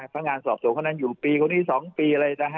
พนักงานสอบสวนคนนั้นอยู่ปีคนนี้๒ปีอะไรนะฮะ